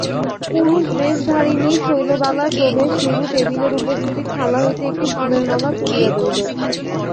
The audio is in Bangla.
পুরুষবেশধারিণী শৈলবালার প্রবেশ নীরু টেবিলের উপরিস্থিত থালা হইতে একটি ফুলের মালা তুলিয়া লইল।